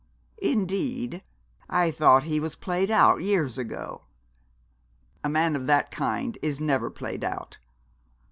'Indeed! I thought he was played out years ago.' 'A man of that kind is never played out.